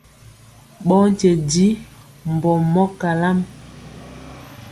Ɓɔɔ nkye njiŋ mbɔ mɔ kalam.